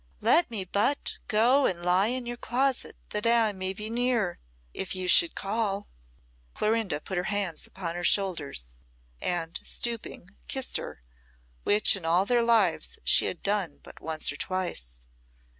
"Let me but go and lie in your closet that I may be near, if you should call." Clorinda put her hands upon her shoulders, and stooping, kissed her, which in all their lives she had done but once or twice.